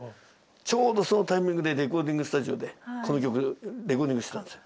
ちょうどそのタイミングでレコーディングスタジオでこの曲レコーディングしてたんですよ。